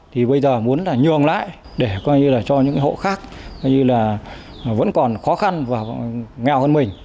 thì bây giờ muốn là nhường lại để cho những hộ khác vẫn còn khó khăn và nghèo hơn mình